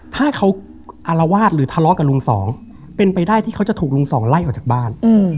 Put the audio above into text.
ถ้าเขาอารวาสหรือทะเลาะกับลุงสองเป็นไปได้ที่เขาจะถูกลุงสองไล่ออกจากบ้าน